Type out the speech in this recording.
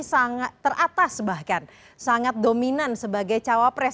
sangat teratas bahkan sangat dominan sebagai cawapres